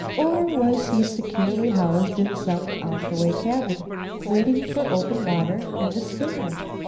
Or was he securely housed in some out of the way cabin, waiting for open water and a schooner?